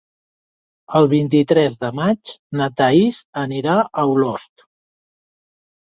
El vint-i-tres de maig na Thaís anirà a Olost.